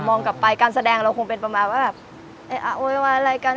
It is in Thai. กลับไปการแสดงเราคงเป็นประมาณว่าแบบเอ๊ะอ่ะโวยวายอะไรกัน